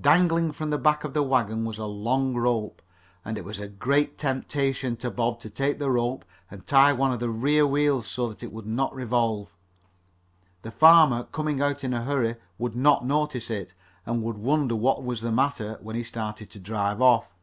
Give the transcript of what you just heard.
Dangling from the back of the wagon was a long rope, and it was a great temptation to Bob to take the rope and tie one of the rear wheels so that it would not revolve. The farmer, coming out in a hurry, would not notice it, and would wonder what was the matter when he started to drive off.